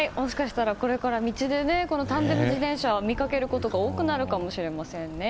これから道で、タンデム自転車を見かけることが多くなるかもしれませんね。